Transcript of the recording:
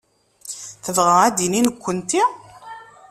Tebɣa ad d-tini nekkenti?